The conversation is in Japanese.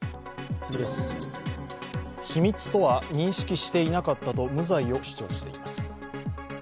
秘密とは認識していなかったと無罪を主張しています。